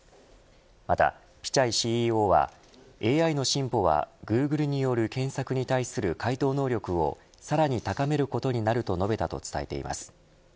またピチャイＣＥＯは、ＡＩの進歩はグーグルによる検索に対する回答能力をさらに高めることになると述べたと伝えています。